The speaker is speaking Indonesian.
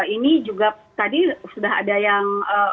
ini juga tadi sudah ada yang